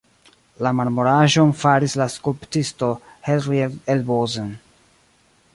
La marmoraĵon faris la skulptisto Hellriegl el Bozen.